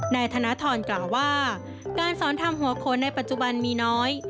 นายธนทรกล่าวว่าการสอนทำหัวโขนในปัจจุบันมีน้อย